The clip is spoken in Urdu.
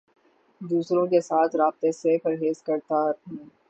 دوسروں کے ساتھ رابطے سے پرہیز کرتا ہوں